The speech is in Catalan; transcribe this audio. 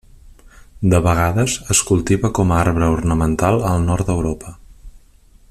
De vegades es cultiva com a arbre ornamental al nord d'Europa.